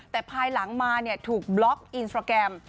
แต่ภายหลังมาถูกบล็อกอินสตราแกรม